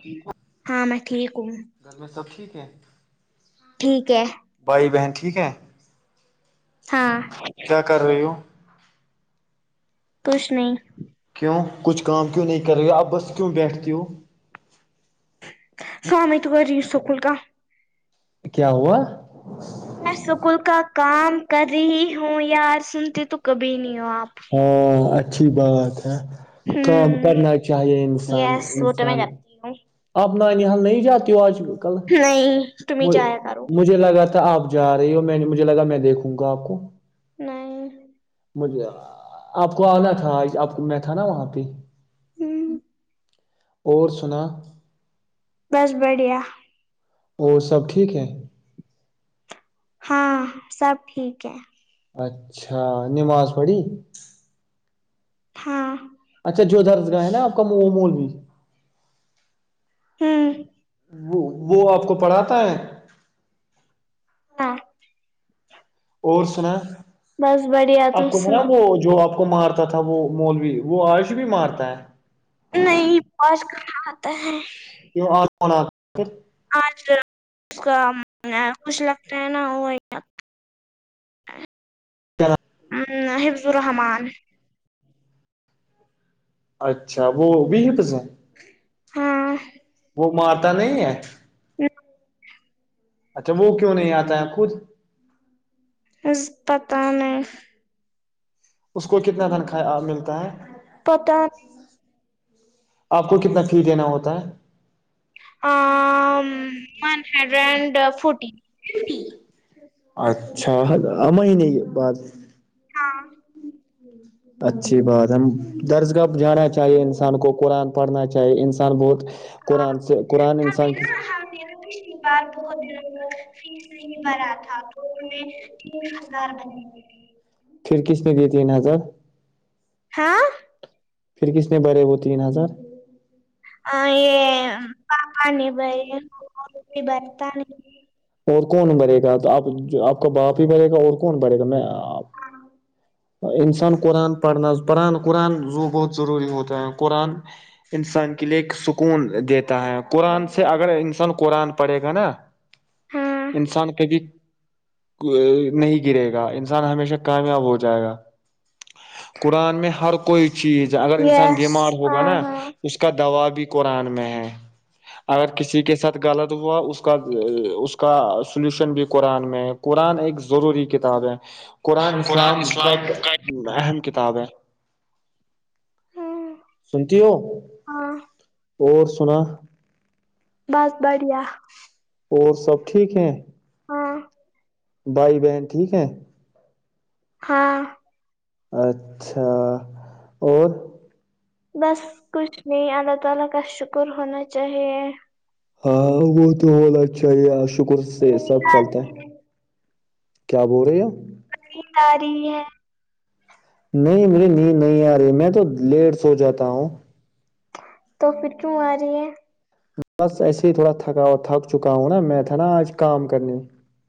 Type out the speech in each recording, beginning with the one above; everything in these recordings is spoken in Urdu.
ٹھیک ہے ہاں میں ٹھیک ہوں گھر میں سب ٹھیک ہیں ٹھیک ہے بھائی بہن ٹھیک ہے ہاں کیا کر رہی ہو کچھ نہیں کیوں کچھ کام کیوں نہیں کر رہی اب بس کیوں بیٹھتی ہووں سوامی تو کری سکول کا کیا ہوا میں سکول کا کام کر رہی ہوں یار سنتی تو کبھی نہیں ہو آپ ہاں اچھی بات ہے کام ہوں کرنا چاہیے انسان یس وہ تو میں انسان کرتی ہوں آپ نانی حل نہیں جاتی ہو آج کل نہیں تم ہی جایا کرو مجھے لگا تھا آپ جا رہی ہو میں مجھے لگا میں دیکھوں گا آپ کو نہیں مجھے آپ کو آنا تھا آپ کو میں تھا نا وہاں پہ ہ اور سنا بس بڑھیا اور سب ٹھیک ہے ہاں سب ٹھیک ہے اچھا نماز پڑھی تھااں اچھا جو دھرس گاہ ہے نا آپ کا وہ مول بھی ہوں وہ وہ آپ کو پڑھاتا ہے ہاں اور سنا بس بڑھیا آپ تم کو سنا وہ جو آپ کو مارتا تھا وہ مولوی وہ آرش بھی مارتا ہے نہیں پج کا آتا ہے کی آ آج اس کا خوش لگتا ہے نا وہ چلو ہ حفظ الرحمان اچھا وہ بھی ہے پسین ہاں وہ مارتا نہیں ہے [unintelligible] اچھا وہ کیوں نہیں آتا ہے خود پتہ میں اس کو کتنا دن ملتا ہے پتہ آپ کو کتنا فی دینا ہوتا ہے ون ہنڈریڈ اینڈ فٹی ف اچھا مہینے کے بعد [unintelligible] اچھی بات ہم درسگاہ جانا چاہیے انسان کو قرآن پڑھنا چاہیے انسان بہت قرآن سے قرآن انسان کی ہاں بھی شکار تو ہو جتے ہیں فیس نہیں بھرا تھا وہ ہم تین ہزار بھرنے میں، پھر کس نے دیے تین ہزار ہاں پھر کس نے بھرے وہ تین ہزار ا یہ بپی بائی اور کون برے گا تو آپ آپ کا باپ ہی بڑے گا اور کون بڑے گا میں انسان قرآن پڑھنا پڑان قرآن زو بہت ضروری ہوتا ہے قرآن انسان کے لیے ایک سکون دیتا ہے قرآن سے اگر انسان قرآن پڑھےا گ نا ہاں انسان کبھی نہیں گرے گا انسان ہمیشہ کامیاب ہو جائے گا قرآن میں ہر کوئی چیز اگر انسان یس بیمار ہوگا ہاں نا اس کا دوا بھی قرآن میں ہے اگر کسی کے ساتھ غلط ہوا اس اس اس کا سولوشن بھی قرآن میں ہے قرآن ایک ضروری کتاب ہے قرآن اسلام کا ایک اہم کتاب ہے ہاں سنتی ہو ہاں اور سنا بس بڑھیا اور سب ٹھیک ہیں ہاں بھائی بہن ٹھیک ہے ہاں اچھا اور بس کچھ نہیں اللہ تعالی کا شکر ہونا چاہیے ہاں وہ تو ب اچھا ہی شکر سے سب چلتا ہے کیا بول رہی ہے آ رہی ہے نہیں میری نیند نہیں آ رہی میں تو لیٹ سو جاتا ہوں تو پھر کیوں آ رہی ہے بس ایسے ہی تھوڑا تھکا تھک چکا ہوں نا میں تھا نا آج کام کرنے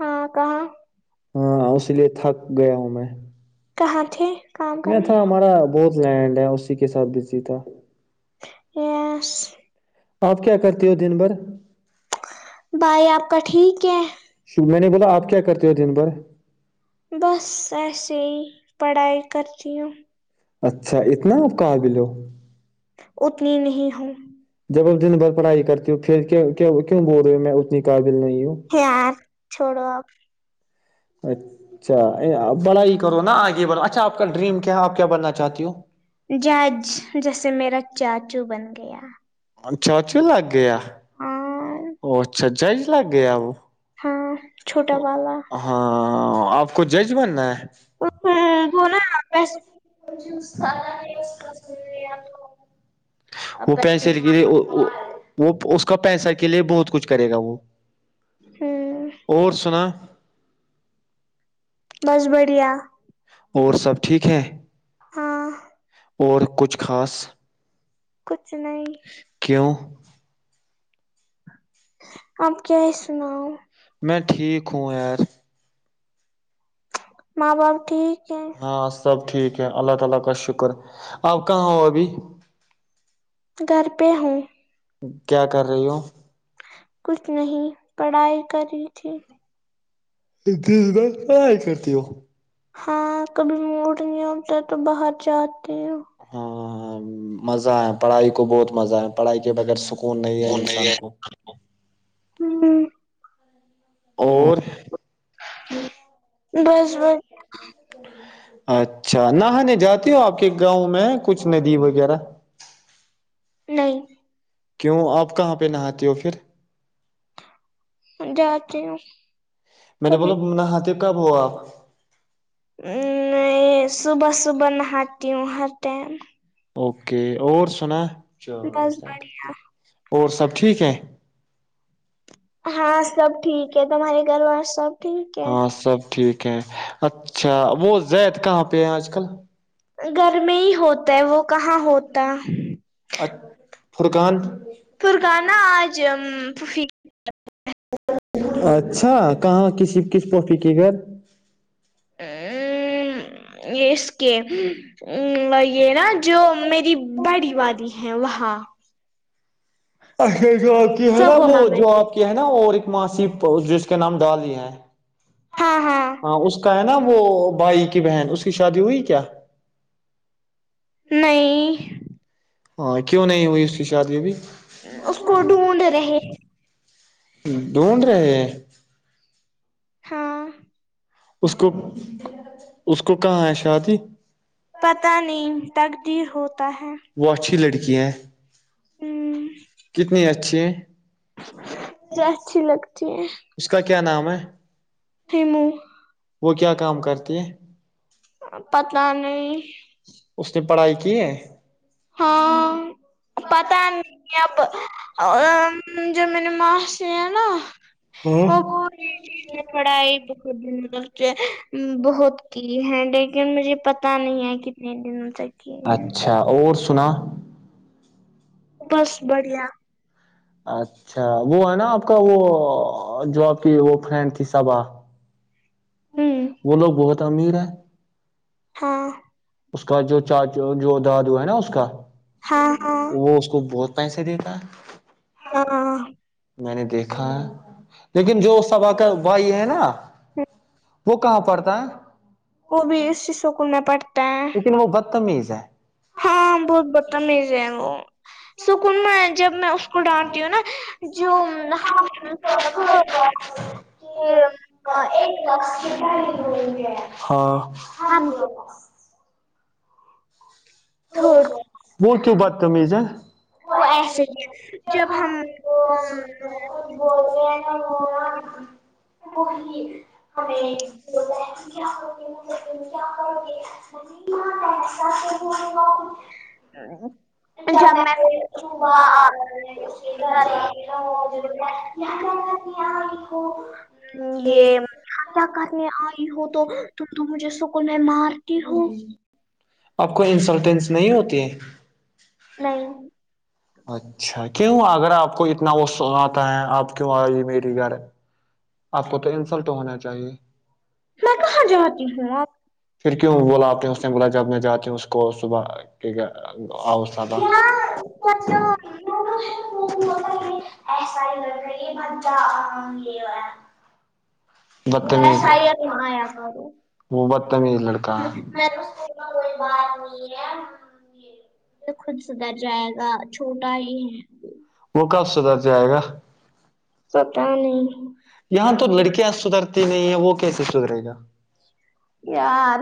ہاں کہاں ہاں اس لیے تھک گیا ہوں میں کہاں تھے کام میں کرنے تھا ہمارا بہت لینڈ ہے اسی کے ساتھ بزی تھا ہوں آپ کیا کرتے ہو دن بھر بھائی آپ کا ٹھیک ہے میں نے بولا آپ کیا کرتے ہو دن بھر بس ایسے ہی پڑھائی کرتی ہوں اچھا اتنا آپ کاار بل ہو اتنی نہیں ہوں جب وہ دن بھر پڑھائی کرتی ہو پھر کیوں بول رہے ہو میں اتنی قابل نہیں ہوں پار چھوڑو آپ اچھا بڑا ہی کرو نا آگے بڑھو اچھا آپ کا ڈریم کیا ہے آپ کیا بننا چاہتی ہو جج جیسے میرا چاچو بن گیا اچ چاچ بھی لگ گیا ہاں وہھاچاج لگ گیا وہ ہاں چھوٹا والا ہاں آپ کو جج بننا ہے وہ نا پیسے ہوں [unintelligible] اپ وہ پیسے وہ اس کا پیسہ کے لیے بہت کچھ کرے گا وہ ہاں اور سن بسبڑیا اور سب ٹھیک ہیں ہاں اور کچھ خاص کچھ نہیں کیونہ آپ کیا ہے سناؤ میں ٹھیک ہوں یار ماں باپ ٹھیک ہے ہاں سب ٹھیک ہے اللہ تعالی کا شکر آپ کہاں ہو ابھی گھر پہ ہوں کیا کر رہی ہو کچھ نہیں پڑھائی کری تھی بس کرتی ہو ہاں کبھی موڈ نہیں ہوتا تو باہر جاتے ہیں ہاں ہاں مزہ ہے پڑھائی کو بہت مزہ ہے پڑھائی کے بغیر س اور م دس بس ہ اچھا نہانے جاتی ہو آپ کے گاؤں میں کچھ ندی وغیرہ نہیں کیوں آپ کہاں پہ نہاتے ہو پھر جاتی ہوں میں نے کبھی بولا نہ ہاتے کب ہو آپ ا صبح صبح نہاتی ہوں ہر ٹائم اوکے اور سنا بس اور سب ٹھیک ہے ہاں سب ٹھیک ہے تمہارے گھر وال سب ٹھیک ہے ہاں سب ٹھیک ہے اچھا وہ زائید کہاں پہ ہے آج کل گھر میں ہی ہوتا ہے وہ کہاں ہوتا پھر ا فرقان فرگانا آج اچھا کہاں کسی کس پاپی کے گھر ا اس کے یہ نا [unintelligible] جو میری بڑی وادی ہے وہاں [unintelligible] اچا جو آپ کی ہے نا وہ سگوما میں جو آپ کی ہے نا اور ایک معاسیی جس کے نام ڈالی ہیں [unintelligible] ہاں اس کا ہے نا وہ بھائی کی بہن اس کی شادی ہوئی کیا [unintelligible] نہیں [unintelligible] ہاں کیوں نہیں ہوئی اس کی شادی بھیھی اس کو ڈھونڈ رہے ڈھونڈ رہے [unintelligible] ہاں اس کو اس کو کہاں ہے شادی پتہ نہیں تقدیر ہوتا ہے وہ اچھی لڑکی ہیں ہوں مجھے کتنی اچھی ہیں اچھی لگتی ہے اس کا کیا نام ہے [unintelligible] تھمو [unintelligible] وہ کیا کام کرتی ہے [unintelligible] پتلا نہیں [unintelligible] اس نے پڑھائی کی ہے ہ [unintelligible] ہاں پتا نہیں اب ا جو م نے ماں سے ہیں نا ہاں وہ ب [unintelligible] [inaudible] پڑھائی بہت دن تک بہت کی ہے لیکن مجھے پتا نہیں ہے کہ [unintelligible] نہیںین دن سے [unintelligible] اچھا اور سنا [unintelligible] بس بڑھیا اچھا وہ ہے نا آپ کا وہ جو آپ کی وہ فرینڈ کی سبا [unintelligible] ہوں وہ لوگ بہت امیر ہے ہاں اس کا جو چاچا جو دادو ہے نا اس کا ہاں ہاں وہ اس کو بہت پینس د کا ہاں [unintelligible] میں نے دیکھا ہے لیکن جو سبا کا بھائی ہے نا [unintelligible] وہ کہاں پڑتا ہے وہ بھی ایی سکون نپٹ [unintelligible] لیکن وہ بدتمیز ہے ہاں بہت بدتمیز ہے وہ سکون میں جب میں کو ڈانتی ہوں نا جو ہاں [unintelligible] ہاں [unintelligible] ہاں جی تھ وہ کیوں بات ت سےے [unintelligible] وہ ایسے ہیں جب ہم [unintelligible] بول نا وہ کو ہم [unintelligible] ہمیں ب کیا کرو گے م کیا کرو گے [unintelligible] [unintelligible] اچھا میں صبح آ گھر رہا [unintelligible] [unintelligible] یہ کیا کرنے آئی ہو تو تو مجھے سک میں مار [unintelligible] کہ ہوو [unintelligible] آپ کو انسلٹینس نہیں ہوتی ہے [unintelligible] نہیں اچھا کیوں اگر آپ کو اتنا وہ س آتا ہے آپ کیوں آئی میری گھر آپ کو تو انسلٹ ہونا چاہیے میں کہاں جاتی ہوں آپ پھر کیوں بلاپتے ہیں اس نے بولا جب میں جاتی ہوں اس کو صبح ٹھیک ہے اوسطا یار ایسا ہی کرتا یہ مہام یہ ہو بتمیز ایسا ہی ہے تم آیا کرو وہ بد تمیز لڑکا میں تو خود سدھر جائے گا چھوٹا ہی ہے وہ کب سدھر جائے گا ستا نہیں یہاں تو لڑکیاں سدھرتی نہیں ہے وہ کیسے سدھرے گا یار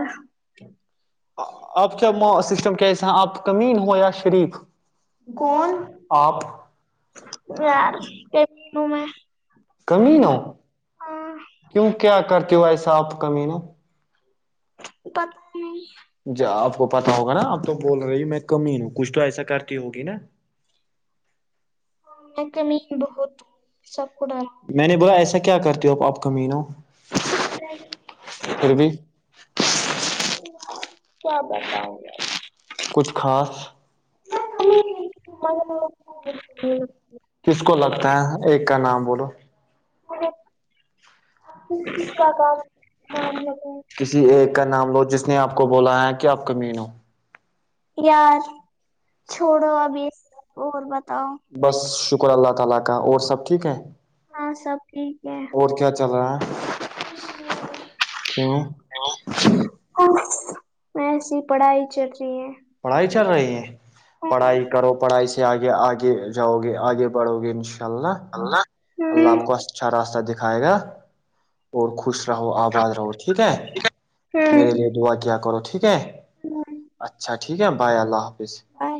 آپ کا سسٹم کیا ایس آپ کا مین ہو یا شریف کون آپ یار کی ن میں کمینو ہاں، کیوں کیا کرتے ہو ایسا آپ کمینو پتا نہیں جان آپ کو پتا ہوگا نا آپ تو بول رہی میں کمین ہوں کچھ تو ایسا کرتی ہوگی نا میں کمینی بہت ہوں سب کو ڈراتی میں نے بولا ایسا کیا کرتی ہو آپ کمین ہو پھر بھی کیا بتاؤں یار کچھ خاص کس کو لگتا [unintelligible] ہے ایک کا نام بولو [unintelligible] کا کام مان لگے کسی ایک کا نام لو جس نے آپ کو بولا ہے کہ آپ کمین ہو یار چھوڑو ابھی اور بتاؤ بس شکر اللہ تعالی کا اور سب ٹھیک ہے ہاں سب ٹھیک ہے اور کیا چل رہا ہے کچھ نہیں بس ایسی پڑھائی چل رہی ہے پڑھائی چل رہی ہے پڑھائی کرو پڑھائی سے آگے آگے جاؤ گے آگے بڑھو گے انشاء اللہ ان شاء اللہ اللہ آپ کو اچھا راستہ دکھائے گا اور خوش رہو آباد رہو ٹھیک ہے ہ میرے لیے دعا کیا کرو ٹھیک ہے ہ اچھا ٹھیک ہے بائے اللہ حافظ بائے